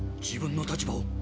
自分の立場を。